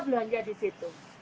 belanja di situ